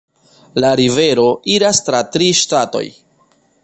La rivero iras tra tri ŝtatoj.